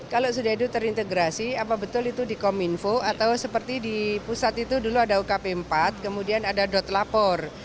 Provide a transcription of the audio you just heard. kalau sudah itu terintegrasi apa betul itu di kominfo atau seperti di pusat itu dulu ada ukp empat kemudian ada dot lapor